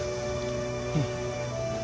うん。